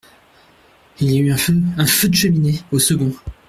Il y a eu un feu… un feu de cheminée !… au second…